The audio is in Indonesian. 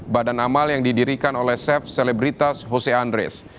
badan amal yang didirikan oleh chef selebritas hose andreas